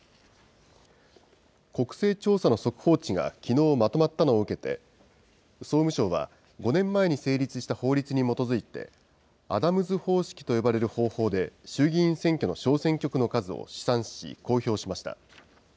国勢調査の速報値がきのうまとまったのを受けて、総務省は５年前に成立した法律に基づいて、アダムズ方式と呼ばれる方法で衆議院選挙の小選挙区の数を試算し、公表しました。